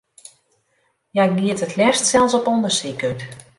Hja giet it leafst sels op ûndersyk út.